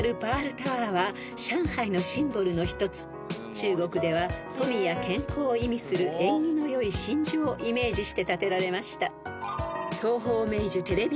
［中国では富や健康を意味する縁起の良い真珠をイメージして建てられました］